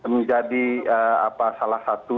menjadi salah satu